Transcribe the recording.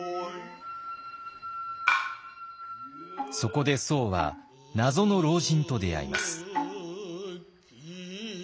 そこで僧は謎の老人と出会います。